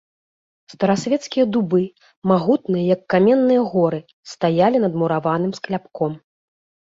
Старасвецкія дубы, магутныя, як каменныя горы, стаялі над мураваным скляпком.